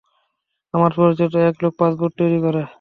আমার পরিচিত এক লোক পাসপোর্ট তৈরি করে।